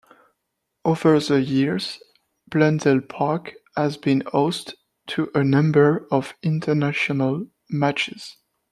Over the years Blundell Park has been host to a number of international matches.